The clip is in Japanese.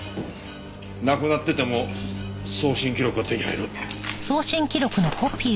なくなってても送信記録は手に入る。